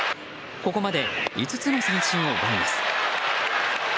ここまで５つの三振を奪います。